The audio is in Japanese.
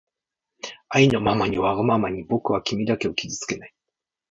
あいのままにわがままにぼくはきみだけをきずつけない